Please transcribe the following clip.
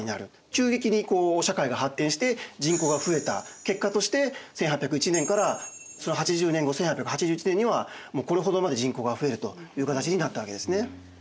急激に社会が発展して人口が増えた結果として１８０１年からその８０年後１８８１年にはもうこれほどまで人口が増えるという形になったわけですね。